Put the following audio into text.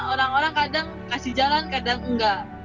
orang orang kadang kasih jalan kadang enggak